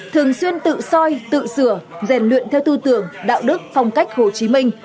thường xuyên tự soi tự sửa rèn luyện theo tư tưởng đạo đức phong cách hồ chí minh